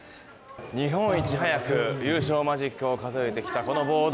日本一早く優勝マジックを数えてきた、このボード。